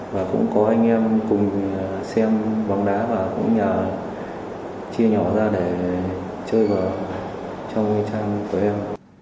và cũng có anh em cùng xem bóng đá và cũng nhờ chia nhỏ ra để chơi vào trong trang của em